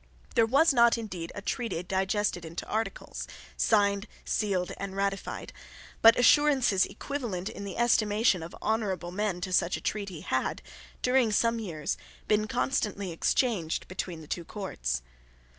There was not indeed a treaty digested into articles, signed, sealed, and ratified: but assurances equivalent in the estimation of honourable men to such a treaty had, during some years, been constantly exchanged between the two Courts.